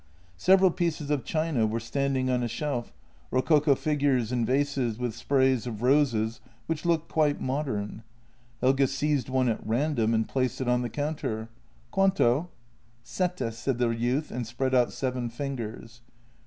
Several pieces of china were standing on a shelf, rococo fig ures and vases with sprays of roses, which looked quite modem. Helge seized one at random and placed it on the counter: " Quanto? "" Sette," said the youth, and spread out seven fingers.